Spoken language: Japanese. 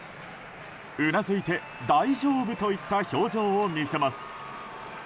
うなずいて大丈夫といった表情を見せます。